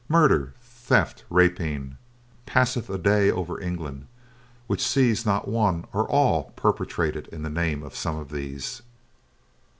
Murder, theft, rapine! Passeth a day over England which sees not one or all perpetrated in the name of some of these?